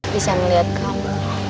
bisa melihat kamu